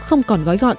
không còn gói gọn